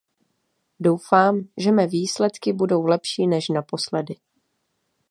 Doufám, že mé výsledky budou lepší, než naposledy.